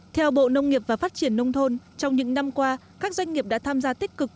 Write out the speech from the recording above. theo bộ nông nghiệp và phát triển nông thôn trong những năm qua các doanh nghiệp đã tham gia tích cực